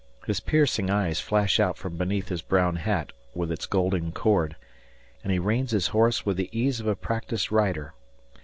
His piercing eyes flash out from beneath his brown hat, with its golden cord; and he reins his horse with the ease of a practised rider.